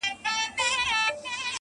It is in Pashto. د گل د رويه اغزى هم اوبېږي.